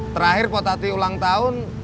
terakhir potati ulang tahun